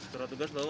surat tugas bawa